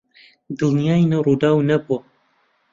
دڵنیاین ڕووداو نەبووە.